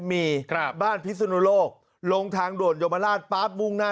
มีบ้านพิสุนโลกลงทางโดรนยมราชป๊าบวุ่งหน้า